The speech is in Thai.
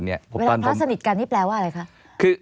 เวลาพระสนิทกันนี่แปลว่าอะไรคะ